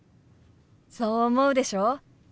そう思うでしょ？